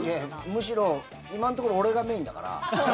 むしろ今のところ俺がメインだから。